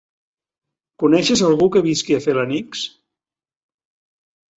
Coneixes algú que visqui a Felanitx?